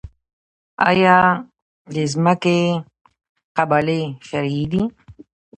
آیا د ځمکې قبالې شرعي دي؟